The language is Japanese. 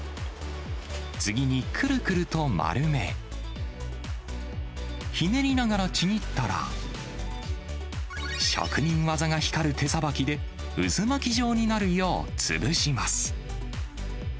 次にくるくると丸め、ひねりながらちぎったら、職人技が光る手さばきで、渦巻き状になるよう潰します。